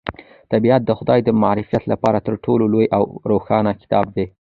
طبیعت د خدای د معرفت لپاره تر ټولو لوی او روښانه کتاب دی.